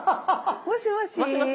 もしもし。